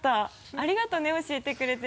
ありがとね教えてくれて。